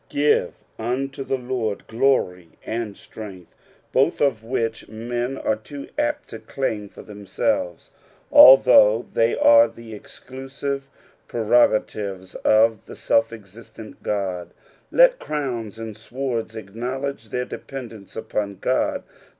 " Oive URte the Lord glory and strength," both of which men are too apt to claim for them selves, although the; are the exclusive prerogatives of the scK exiatent Ood. Let crowns and swords acknowledge their dependence upon God.